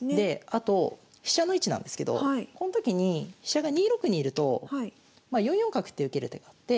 あと飛車の位置なんですけどこの時に飛車が２六にいると４四角って受ける手があって。